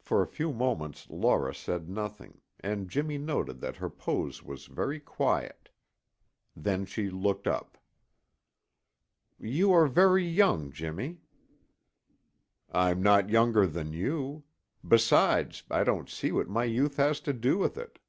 For a few moments Laura said nothing and Jimmy noted that her pose was very quiet. Then she looked up. "You are very young, Jimmy." "I'm not younger than you. Besides, I don't see what my youth has to do with it."